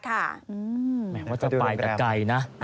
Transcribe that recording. อาจจะไปแต่ไกลนะ